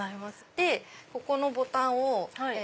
でここのボタンを。